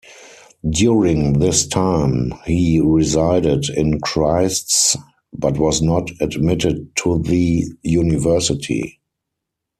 During this time, he resided in Christ's but was not admitted to the University.